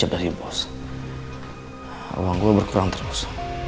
teri bos alam gua berkurang terus